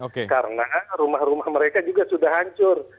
karena rumah rumah mereka juga sudah hancur